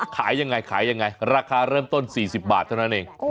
ขายยังไงราคาเริ่มต้น๔๐บาทเท่านั้นเอง